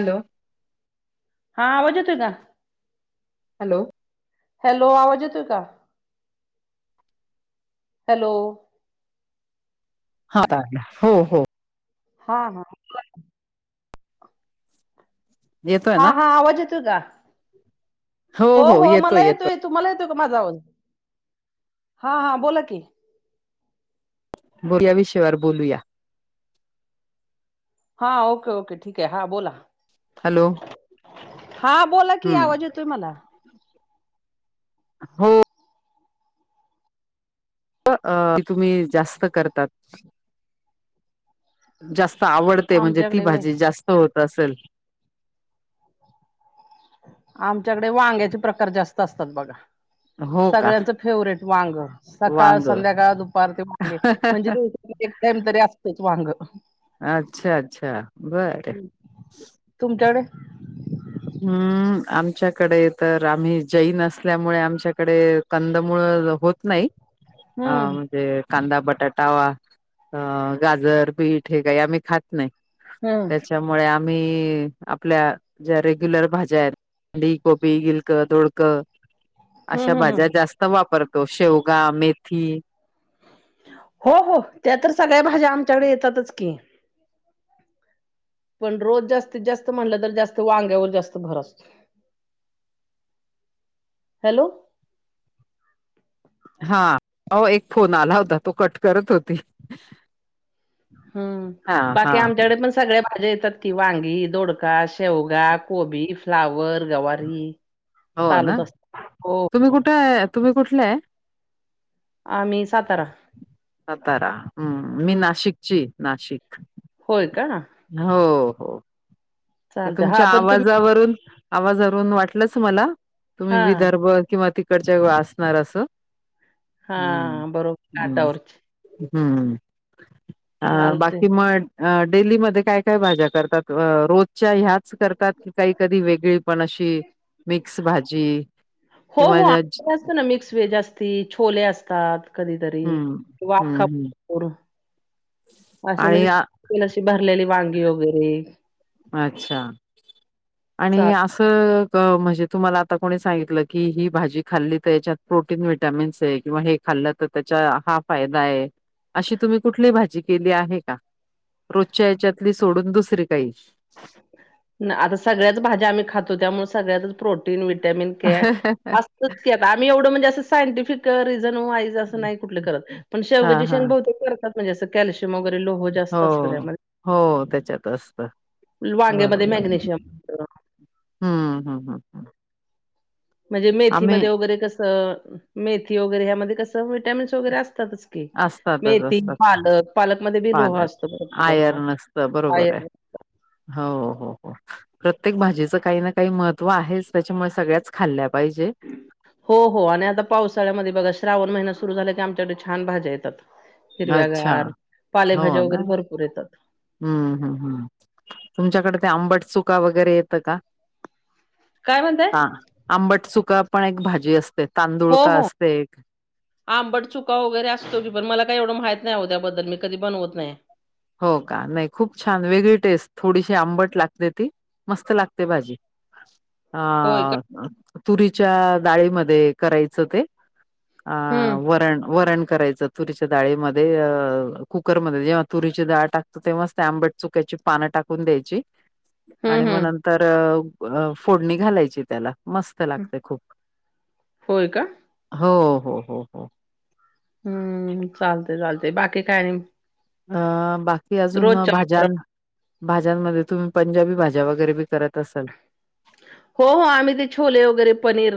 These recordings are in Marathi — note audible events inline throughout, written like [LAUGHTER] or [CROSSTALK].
हॅलो हा आवाज येतोय का हॅलो हॅलो आवाज येतोय का हॅलो हा हो हो हा हा येतोय हा ना हा आवाज येतोय का हो हो मला येतो तूम्हाला येतोय का माझा आवाज हा हा बोला की या विषयावर बोलूया हा ओके ओके ठीक आहे हा बोला हॅलो हा बोला की हम्म आवाज येतोय मला हो तुम्ही जास्त करतात जास्त आवडते म्हणजे ती आमच्याकडे व्हय भाजी जास्त होत असेल. आमच्याकडे वांग्याचे प्रकार जास्त असतात बघा. हो का सगळ्यांच फेवरेट वांग सकाळ, वांग संध्याकाळ, दुपार ते वांगे म्हणजे ते. एक टाइम तरी असतच वांग. अच्छा! अच्छा! बर. तुमच्याकडे. हम्. आमच्याकडे तर आम्ही जैनसल्यामुळे आमच्याकडे कंदमुूळ होत नाही. [INAUDIBLE] हा हम्म म. म्हणे कांदा, बटाटा अ गाजर, पीठ हे काही आम्ही खात नाही. हम्म त्याच्यामुळे आम्ही आपल्या ज्या रे. ग्युलर भाज्या आहेत अथंडी कोपी, गिलकं, दोडक हम्म अशा हम्म हम्म भाज्या जास्त. वापरतो शेवगा, मेथी. हो, हो, त्या तर सगळ्या भाज्या आमच्याकडे येतातच की. पण रोज जास्तीत जास्त म्हणलं तर जास्त वांग्यावर जास्त भर असतो. [INAUDIBLE] हॅलो. हा अ एक फोन आला होता तो कट करत होती. हा हम्म हा बाकी आमच्याकडे पण. सगळ्या भाज्या येतात की वांगी, दोडका, शेवगा, कोबी, फ्लावर, गवारी. हो ना चालूच असत हो तुम्ही हो कुठे आहे तुम्ही कुठलं आहे? आम्ही सातारा. सातारा हम्म मी नाशिकची नाशिक. होय का. हो हो. ते चालते हा तुमच्या पण तुम्ही आवाजावरून आवाजवरून वाटलंच मला तुम्ही हा विदर्भ किंवा ते. इकडच्या असणार असं हम् हा बरोबर हम्. काटावरची हम्म अ चालते बाकी म. अ डेलीमध्ये काय काय भाज्या करतात रोज. च्या ह्याच करतात की काही कधी वेगळी पण अशी. मिक्स भाजी, किंवा मिकस व ती छोले असतात. कधीतरी हं, हं, वाखाप हं. वरून असे आणि म्हणजे. आ ही अशी भरलेली वांगी वगैरे. अच्छा! आणि चाल असं. हो म्हणजे तुम्हाला आता कोणी सांगितलं की ही भाजी खाल्ली तर आहे ह्यात प्रोटीन, व्हिटॅमिन्स आहे किंवा हे. खाल्लं तर त्याचा हा फायदा आहे अशी तुम्ही कुठली भाजी केली आहे का? रोजच्या याच्यातली सोडून दुसरी काही. आता सगळ्याच भाज्या आम्ही खातो त्यामुळे सगळ्यातच प्रोटीन, विटॅमिन के आहे. हं, हं, तेच आता आम्ही एवढं म्हणजे असं सायंटिफिक रिजन व्हाईज. ते अस हं. नाही कुठल करत पण हां, शेवग्याची हां. शेंग बहुतेक कुठ. म्हणजे असं कॅल्शियम वगैरे लोह हो, जास्त असत त्यामध्ये हो त्याच्यात असतं. [INAUDIBLE] वांग्यामध्ये मॅग्नेशियम. हम् हम हम हम. म्हणजे मेथीमध्ये वगैरे कसं, मेथी वगैरे ह्यामध्ये कसं विटॅमिन्स वगैरे असतातच. असतातच मेथी, असतात पालक. पालक मध्ये बी लोहा पालक. असतो भरपूर प्रमाणात आयर्न असतं बरोबर आहे. आयर्न. हो हो हो. प्रत्येक भाजीचं काही ना काही महत्त्व आहेच त्याच्यामुळे सगळ्याच खाल्ल्या पाहिजे. हो हो आणि आता पावसाळ्यामध्ये बघा श्रावण महिना सुरू झाला की आमच्याकडे छान भाज्या येतात. [INAUDIBLE] हिरव्यागार पालेभाज्या वगैरे भरपूर येतात. हम्म, हम्म, हम्. तुमच्याकडे ते आंबट चुका वगैरे येतं का? काय म्हणताय? हां. आंबट चुका पण एक भाजी असते. तांदुळका असते एक. आंबड चुका वगैरे असतो की पण, मला काय एवढं माहित नाही ओ त्याबद्दल मी कधी बनवत नायं. हो का. नाही खूप छान. वेगळी टेस्ट थोडीशी आंबट लागते ती. मस्त लागते भाजी. होय का? अ तुरीच्या डाळीमध्ये करायचं ते. अ हम्म वरण वरण करायचं. तुरीच्या डाळीमध्ये अ कुकरमध्ये जेव्हा - - तुरीची डाळ टाकतो तेव्हाच ते आंबट चुक्याची पानं टाकून द्यायची आणि हम्म म हम्म नं - - तर फोडणी घालायची त्याला मस् - - मस्त लागत खूप. होय का? हो, हो, हो, हो. हम्म. चालतय चालतयं बाकी काय आणि अ बाकी अजून रोजच्या वापरा- भाज्यांनं भाज्यांमध्ये तुम्ही पंजाबी भाज्या वगैरे बी करत असाल. हो. हो. आम्ही ते छोले वगैरे पनीर,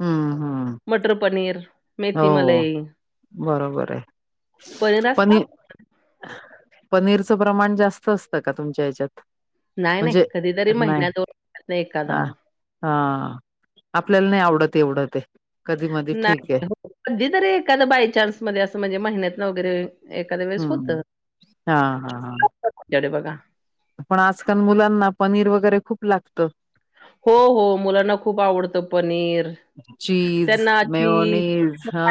हं, हं. मटर पनीर. मेथी हो. मलाई बरोबर हाय. पनीर असता पनिर पनीरचं प्रमाण जास्त असतं का तुमच्या हेच्यात? नाही. नाही. कधीतरी महिन्या दोन महिन्यातन अ एखादा. हा. आपल्याला नाही आवडत एवढ ते. कधी मधी ठीक आहे नाही हो. कधी तरी एखादं बाय चान्स मध्ये असं म्हणजे महिन्यातनं वगैरे. एखाद्या वेळेस होत. हम्म हा हा हा [UNINTELLIGIBLE] बघा. पण आजकाल मुलांना पनीर वगैरे खूप लागतं. हो. हो. मुलांना खूप आवडतं पनीर. चीज, त्यांना मेओनीज हा.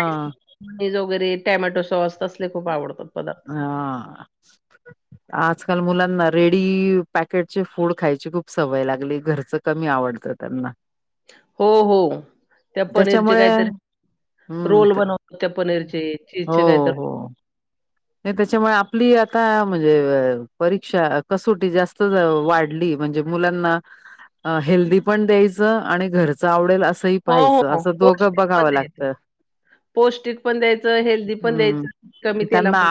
चीज वगैरे टॅमॅटो सॉस तसले खूप आवडतात पदार्थ. हा. आजकाल मुलांना रेडी पॅकेटचे फूड खायची खूप सवय लागली. घरचं - - कमी आवडतं त्यांना. हो. हो. त्या पनीरचे त्याच्यामुळे काहीतर हम्म रोल बनवतात पनीरचे. हो चीजचे काय तर. हो नाही त्याच्यामुळे आपली आता म्हणजे अ परीक्षा कसोटी जास्त वाढली. म्हणजे - - मुलांना हेल्दी पण द्यायच आणि घरच आवडेल अस सही हो, हो. पाहायचं. हो. असं दोघं पौष्टिक पण बघावं लागत. द्यायचं. पौष्टिक पण द्यायचं. हेल्दी पण द्यायचं. हम्म कमी - - त्यांना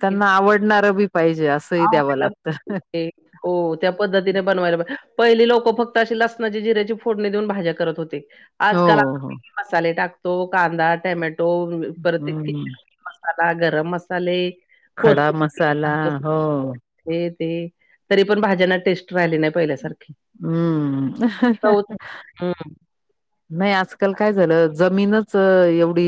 त्यांना आवडणार बी पाहिजे. असंही द्यावं लागतं. ते हो त्या पद्धतीने बनवायला पाजे पहिली लोकं फक्त अशी लसणाची, जिऱ्याची फोडणी देऊन भाज्या करत होते. आजकाल हो, आपण हो. किती मसाले टाकतो कांदा, टमॅटो परत ते ती हम्म. मसाला, गरम मसाले. खडा कोथिंबीर मसाला. हो. हे ते तरी पण भाज्यांना टेस्ट राहिली नाही पहिल्यासारखी. हम्म. चवच नाही. हं. नाही आजकाल काय झालं- - जमीनच एवढी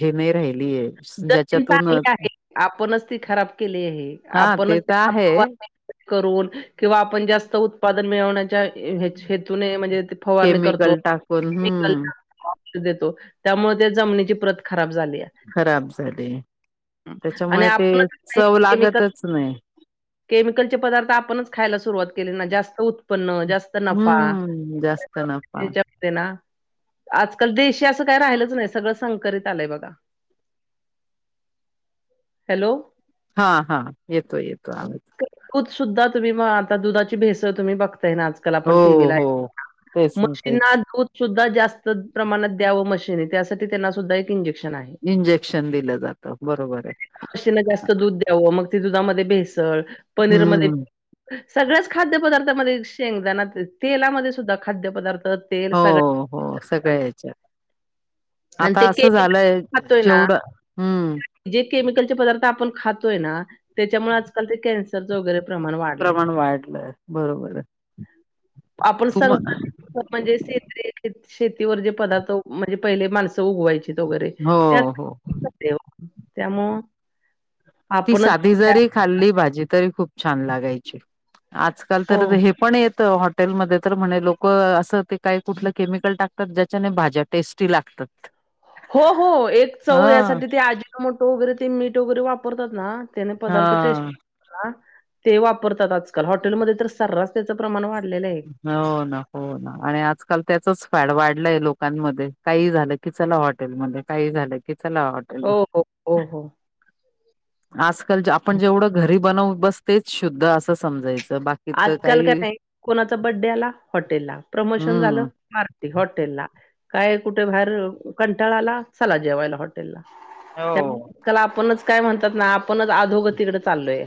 हे नाही राहिलीयं. जमीन चांगले आहे. आपणच ती खराब केली आहे. हां आपणच ते तर त आहे. [UNINTELLIGIBLE] करून किंवा आपण जास्त उत्पादन मिळवण्याच्या - - हेतूने म्हणजे ते फवारनी करतो केमिकल टाकून हम्म पिकांना. औषध देतो. त्यामुळे त्या जमनीची प्रत खराब झाल्या. खराब झाले. आणि त्याच्यामुळे ते आपणच हे चव केमिकल लागतच नाही. केमिकलचे पदार्थ आपणच खायला सुरुवात केले ना. जास्त उत् उत्पन्न जास्त नफा हम्म, जास्त नफा. ते ना आजकाल देशी असं काय राहिलच नाही सगळं संकरीत आलंय बघा हॅलो हा हा येतोय येतो आवाज दूध सुद्धा तुम्ही मग आता दुधाची भेसळ तुम्ही बघताय नाच हो, आपण टीव्ही ला हो. तेच ना मशीनना तेच. दूध सुद्धा जास्त प्रमाणात द्यावं मशीनी त्यासाठी त्यांना सुद्धा एक इंजेक्शन आहे इंजेक्शन दिलं जातं बरोबर आहे जास्त दूध द्यावं मग दुधामध्ये भेसळ पनीर मध्यें हं. सगळ्याच खाद्यपदार्थामध्ये शेंगदाना तेलामध्ये सुद्धा खाद्यपदार्थ हो हो सगळ्या याच्या आणि आता ते असं केमिकल झालंय खातोय ना जेवढं हम्म जे केमिकलचे पदार्थ आपण खातोय ना त्याच्यामुळे आजकाल ते कॅन्सरच वगैरे प्रमाण वाढलंय. प्रमाण वाढलंय बरोबर आपण तुम संकरित म्हणजे श शेतीवर जे पदार्थ म्हणजे पहिले माणसं उगवायची वगैरे हो, त्यात हो. व त्यामूळ ती साधी जरी खाल्ली भाजी तरी खूप छान लागायची आजकाल हो. तर हे पण येत हॉटेलमध्ये तर म्हणे लोक असं ते काय कुठलं केमिकल टाकतात ज्याच्याने भाज्या टेस्टी लागतात हो हो एक चव हां, यासाठी ते अजिनो मोटो वगैरे ते मीठ वगैरे वापरतात ना त्याने पदार्थ टेस्ट हां. त्याचं प्रमाण वाढलेलं आहे हो ना कि चला हॉटेल मध्ये काही झालं कि, चला हॉट हो हो हो हो आजकाल आपण जेवढं घरी बनव बस तेच शुद्ध असं समजायचं बाकी तर आजकाल काही काय टाईम कोणाचा, बर्थडे आला हॉटेल ला प्रमोशन झालं हम्म. हॉटेल ला काय कुठे बाहेर कंटाळाला चला जेवायला हॉटे हो. का आपणच काय म्हणतात ना आपणच अधोगतीकडे चाललोय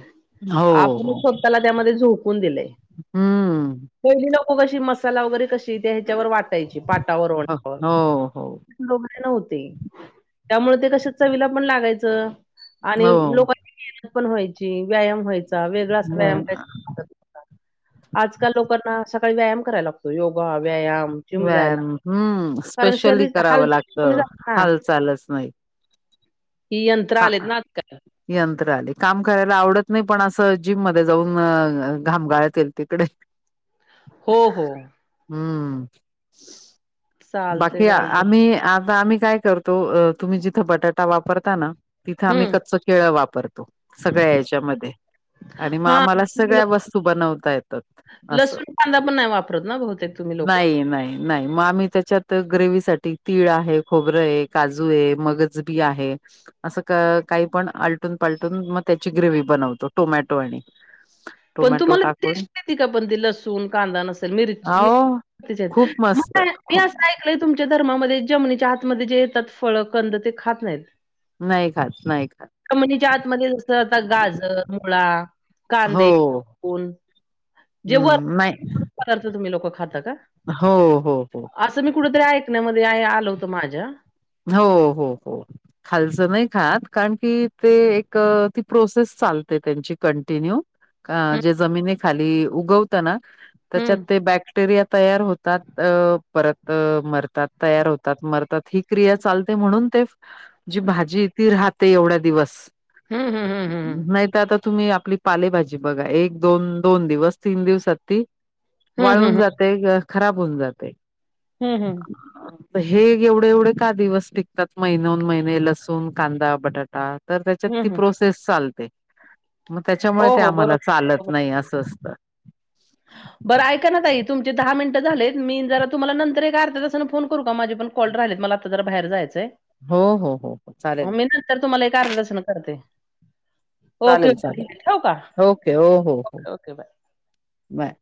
हो, आपणच हो. स्वतःला त्यामध्ये झोकून दिलेय हम्म. पहिली लोक कशी मसाला वगैरे कशी त्या ह्याच्यावर वाटायची पाटावर हो, वरवंट्यावर हो. हो. न त्यामुळे ते कश च विला पण लागायचं आणि हो. लोकां पण्हायची व्यायाम व्हायचा वेगळा असा व्यायाम कय आजकाल लोकांना सकाळी व्यायाम करायला योगा व्यायाम जिम व्यायाम जायला हम्म. कारण शरीर हालचाल कमी हाल चालच नाही हि यंत्र का आलेत ना आज काय यंत्र आले काम करायला आवडत नाही पण असं जिम मध्ये जाऊन घामगाळत येईल तिकडे [INAUDIBLE] हो हो हम्म चालते बाकी चालते आम्ही आता आम्ही काय करतो तुम्ही जिथं बटाटा वापरता ना तिथं आम्ही हम्म कच्च केळ वापरतो सगळ्या याच्यामध्ये आणि मग हा आम्हाला सगळ्या वस्तू बनवता येतात असं प्र, बहुतेक एक तुमही लोक नाही नाही नाही मग आम्ही च्यात ग्रेवी साठी तीळ आहे खोबरं आहे काजू आहे मगज बी आहे असं काही पण आलटून पालटून ह पण तुम्हाला त टेस्ट, येती का पण ती लसूण कांदा नसेल मिरची म हो खूप मस्त मी खू- असं ऐकलंय तुमच्या धर्मामध्ये जमनीच्या आत मध्ये जे येतात फळ कंद ते खात नाहीत. नाही खात नाही खात कमिनीचा आत मध्ये जस आता गाजर मुळा. हो कोल जे वर हम्म नाही [INAUDIBLE] पदार्थ तुम्ही लोक खाता का हो, हो, हो, अस मी कुठेतरी ऐकण्यामध्ये आल होतं माझ्या हो हो हो खालचं नाही खात कारण की ते एक ती प्रोसेस चालते त्यांची कंटिन्यू अ हं, जे जमिनी खाली उगवत ना, त्याच्यात हं, ते बॅक्टेरिया तयार होत तात परत मरतात तयार होतात मरतात ही क्रिया चालते म्हणून ते, जी भाजी ती राहते एवढ्या दिवस. हं, हं, हं, हं, नाही तर आता तुम्ही आपली पालेभाजी बघा एक दोन दोन दिवस तीन दिवसाती हं, वाळून हं, हं, जात ते खराब होऊन जाते. हम्म हम्म हे एवढे एवढे का दिवस टिकतात महिन्याहुन महिने लसूण, कांदा, बटाटा. तर त्याच्यात हं, ती हं. प्रोसेस चालते. मग हो त्याच्यामुळे, ते हो आम्हाला बरोबर आहे, चालत बरोबर नाही आहे. असं असतं. बरं ऐका ना ताई तुमचे दहा मिनिटं झालेत. मी जरा तुम्हाला नंतर एक अर्थ तासानं फोन करू का माझे पण. कॉल राहिलेत मला आता जरा बाहेर जायचंय. हो हो हो हो चालेल. तर तुम्हाला एका अर्धा तासन करते. ओके ओके चालेल ठीक आहे ठेवू का चालेल ओके हो हो हो ओके ओके बाय बाय.